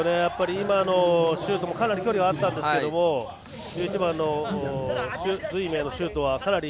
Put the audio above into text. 今のシュートもかなり距離はあったんですが１１番の朱瑞銘のシュートは。